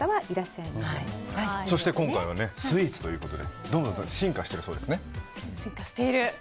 そして、今回はスイーツということでどんどん進化しているそうですね。